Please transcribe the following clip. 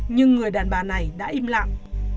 nhưng người đàn bà này đã im lặng